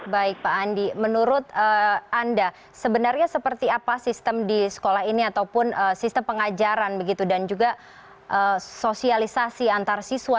baik pak andi menurut anda sebenarnya seperti apa sistem di sekolah ini ataupun sistem pengajaran begitu dan juga sosialisasi antarsiswa